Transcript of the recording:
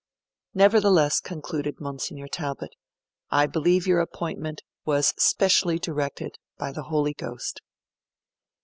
'Nevertheless,' concluded Monsignor Talbot, 'I believe your appointment was specially directed by the Holy Ghost.'